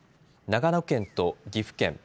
長野県と岐阜県